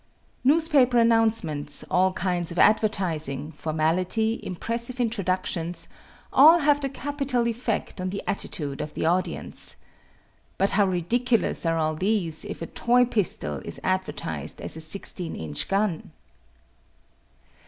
Newspaper announcements, all kinds of advertising, formality, impressive introductions, all have a capital effect on the attitude of the audience. But how ridiculous are all these if a toy pistol is advertised as a sixteen inch gun!